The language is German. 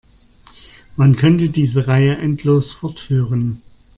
Man könnte diese Reihe endlos fortführen.